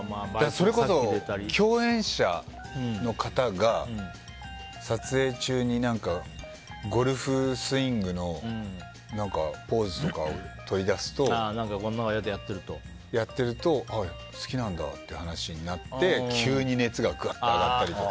それこそ共演者の方が撮影中にゴルフスイングのポーズとかをやっているとああ、好きなんだって話になって急に熱がグッと上がったりとか。